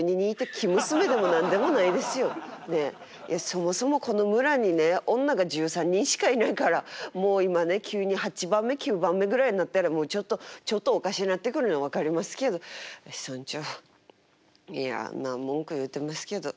そもそもこの村にね女が１３人しかいないからもう今ね急に８番目９番目ぐらいになったらちょっとちょっとおかしなってくるの分かりますけど村長いや文句言うてますけど。